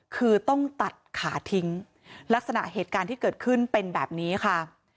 คือต้องตัดขาทิ้งลักษณะเหตุการณ์ที่เกิดขึ้นเป็นแบบนี้ค่ะ